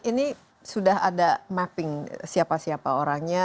ini sudah ada mapping siapa siapa orangnya